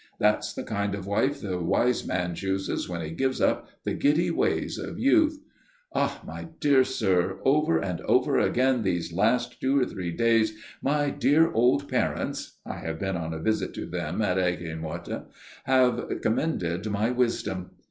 That's the kind of wife the wise man chooses when he gives up the giddy ways of youth. Ah, my dear sir, over and over again these last two or three days my dear old parents I have been on a visit to them in Aigues Mortes have commended my wisdom.